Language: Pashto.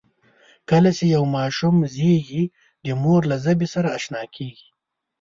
کله چې یو ماشوم زېږي، د مور له ژبې سره آشنا کېږي.